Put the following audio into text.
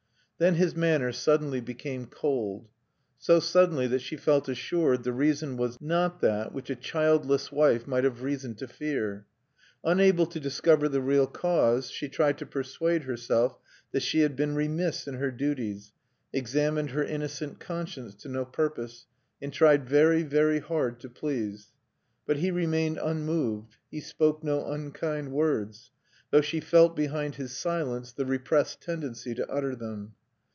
Then his manner suddenly became cold, so suddenly that she felt assured the reason was not that which a childless wife might have reason to fear. Unable to discover the real cause, she tried to persuade herself that she had been remiss in her duties; examined her innocent conscience to no purpose; and tried very, very hard to please. But he remained unmoved. He spoke no unkind words, though she felt behind his silence the repressed tendency to utter them.